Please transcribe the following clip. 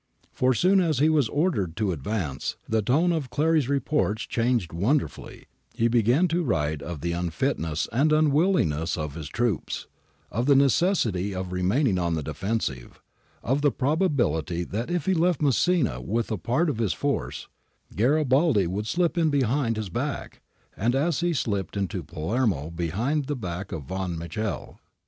For as soon as he was ordered to advance, the tone of Clary's reports changed wonderfully ; he began to write of the unfitness and unwillingness of his troops, of the necessity of remaining on the defensive, of the proba bility that if he left Messina with a part of his force, Garibaldi would slip in behind his back, as he had slipped into Palermo behind the back of Von Mechel.